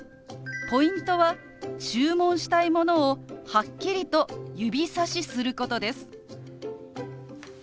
ポイントは注文したいものをはっきりと指さしすることです。